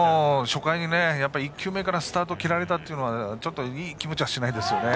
初回に１球目からスタートを切られたというのはいい気持ちはしないですよね。